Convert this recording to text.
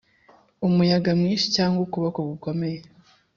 umuyaga mwinshi cyangwa ukuboko gukomeye?